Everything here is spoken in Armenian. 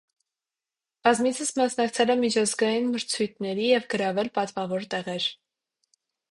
Բազմիցս մասնակցել է միջազգային մրցույթների և գրավել պատվավոր տեղեր։